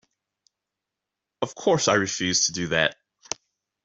Of course I refused to do that!